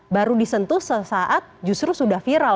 baru disentuh sesaat justru sudah viral